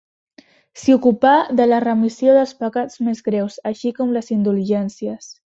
S'hi ocupà de la remissió dels pecats més greus, així com les indulgències.